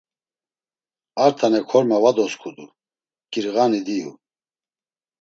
Artane korme va dosǩudu, ǩirğani diyu.